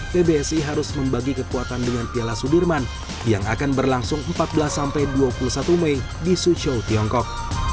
pbsi harus membagi kekuatan dengan piala sudirman yang akan berlangsung empat belas sampai dua puluh satu mei di suzhou tiongkok